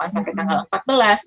sampai tanggal empat belas